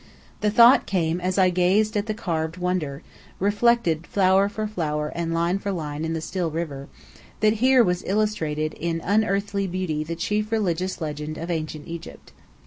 The thought came as I gazed at the carved wonder (reflected flower for flower and line for line in the still river) that here was illustrated in unearthly beauty the chief religious legend of ancient Egypt.